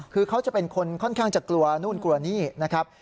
คือเขาจะเป็นคนค่อนข้างจะกลัวนู่นกลัวนี่นะครับ